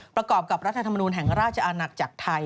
ประกอบกับรัฐธรรมนูลแห่งราชอาณาจักรไทย